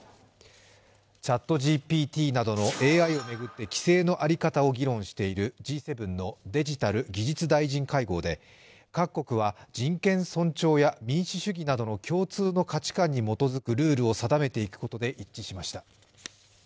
ＣｈａｔＧＰＴなどのＡＩを巡って規制の在り方を議論しているＧ７のデジタル・技術大臣会合で各国は人権尊重や民主主義などの共通の価値観に基づくルールを定めていくことで一致しました。